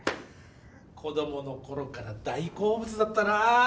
子供のころから大好物だったな。